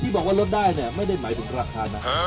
บอกว่าลดได้เนี่ยไม่ได้หมายถึงราคานะ